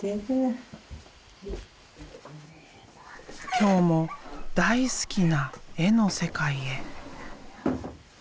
今日も大好きな絵の世界へ。